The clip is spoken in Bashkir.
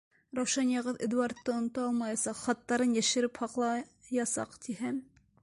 Раушанияғыҙ Эдуардты онота алмаясаҡ, хаттарын йәшереп һаҡлаясаҡ, тиһәм?